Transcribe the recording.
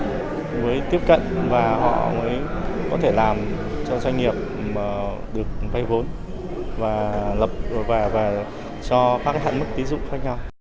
thì như vậy họ mới tiếp cận và họ mới có thể làm cho doanh nghiệp được vai vốn và cho các hạn mức tín dụng khác nhau